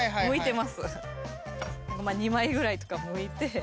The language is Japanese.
まあ２枚ぐらいとかむいて。